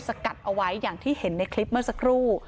กัดเอาไว้อย่างที่เห็นในคลิปเมื่อสักครู่